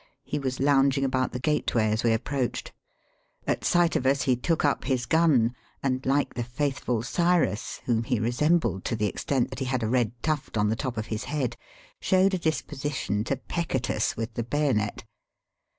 He was lounging about the gateway as we approached. At sight of us he took up his gun, and, like the faithful sirus, whom he resembled to the extent that he had a red tuft on the top of his head, showed a disposition to peck at us with the bayonet.